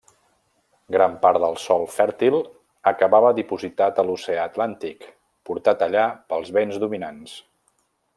Gran part del sòl fèrtil acabava dipositat a l'oceà Atlàntic, portat allà pels vents dominants.